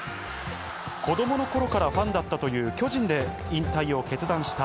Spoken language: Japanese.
子どものころからファンだったという巨人で引退を決断した